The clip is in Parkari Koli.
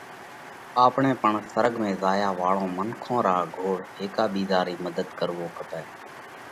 آپڻئہ پڻ سرڳ ۾ ريا واۯون منکون را گھوڙهيڪا ٻِيزا رئي مڌت ڪروو کپئہ